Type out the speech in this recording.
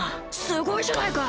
すごいじゃないか！